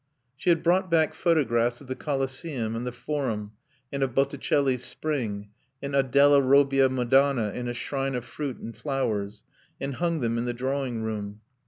She had brought back photographs of the Colosseum and the Forum and of Botticelli's Spring, and a della Robbia Madonna in a shrine of fruit and flowers, and hung them in the drawing room.